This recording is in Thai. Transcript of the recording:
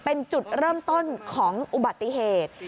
เป็นจุดเริ่มต้นของอุบัติเหตุ